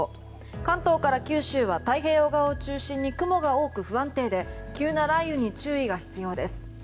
関東から九州は太平洋側を中心に雲が多く、不安定で急な雷雨に注意が必要です。